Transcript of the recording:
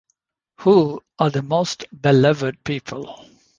Who are the Most Beloved People?